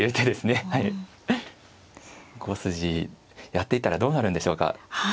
５筋やっていったらどうなるんでしょうか。